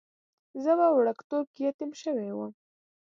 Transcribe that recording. زه په وړکتوب کې یتیم شوی وم.